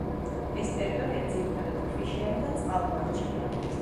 ეს ტერიტორია ძირითადად ქვიშიანი და წყალმარჩხია.